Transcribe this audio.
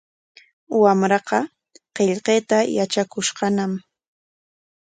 Wamraaqa qillqayta yatrakushqañam.